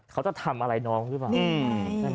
เขาจะทำอะไรน้องใช่ไหม